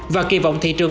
và kỳ vọng thị trường